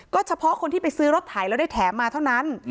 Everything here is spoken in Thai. ก็เฉพาะคนที่ไปซื้อรถไถแล้วได้แถมมาเท่านั้น